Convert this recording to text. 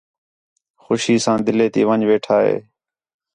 خوشی ساں دِلّہ تی وَن٘ڄ ویٹھا ہِے